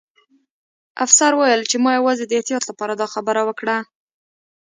افسر وویل چې ما یوازې د احتیاط لپاره دا خبره وکړه